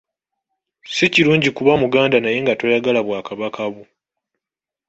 Si kirungi kuba Muganda naye nga toyagala bwakabaka bwo.